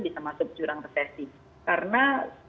bisa masuk jurang resesi karena